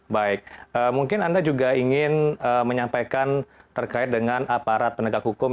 baik mungkin anda juga ingin menyampaikan terkait dengan aparat penegak hukum